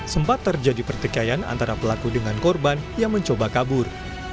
sempat terjadi pertikaian antara pelaku dengan korban yang mencoba kabur